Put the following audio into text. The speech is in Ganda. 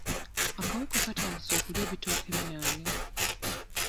Akawuka katandise okulya ebitooke byange.